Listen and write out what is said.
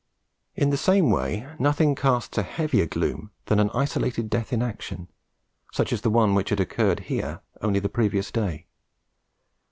In the same way nothing casts a heavier gloom than an isolated death in action, such as the one which had occurred here only the previous day.